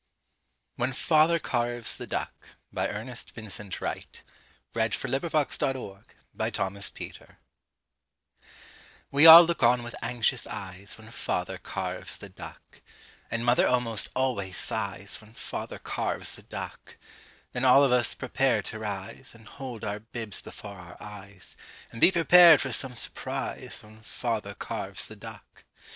4When Father Carves the Duck1891Ernest Vincent Wright We all look on with anxious eyes When Father carves the duck And mother almost always sighs When Father carves the duck Then all of us prepare to rise And hold our bibs before our eyes And be prepared for some surprise When Father carves the duck.